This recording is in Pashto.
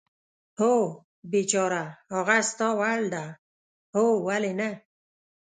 هو، بېچاره، هغه ستا وړ ده؟ هو، ولې نه.